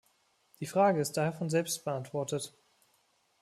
Die Frage ist daher von selbst beantwortet.